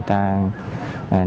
các trường hợp